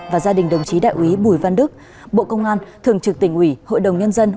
và gia đình đồng chí đại quý bùi văn đức bộ công an thường trực tỉnh ủy hội đồng nhân dân